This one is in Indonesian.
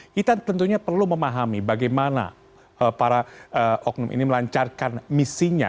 kita tentunya perlu memahami bagaimana para oknum ini melancarkan misinya